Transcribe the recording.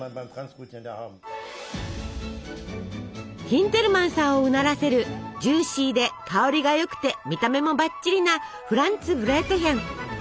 ヒンテルマンさんをうならせるジューシーで香りがよくて見た目もバッチリなフランツブレートヒェン。